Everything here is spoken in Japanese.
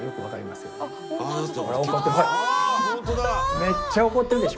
めっちゃ怒ってるでしょ？